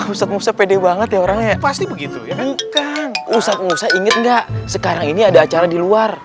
ustadz musa inget gak sekarang ini ada acara di luar